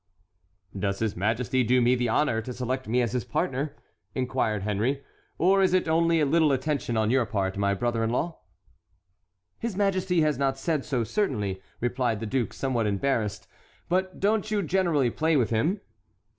"Does his Majesty do me the honor to select me as his partner?" inquired Henry, "or is it only a little attention on your part, my brother in law?" "His Majesty has not so said, certainly," replied the duke, somewhat embarrassed; "but don't you generally play with him?"